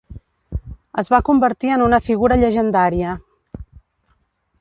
Es va convertir en una figura llegendària.